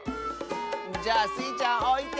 じゃあスイちゃんおいて！